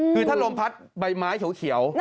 คือถ้าลมพัดใบไม้เขียว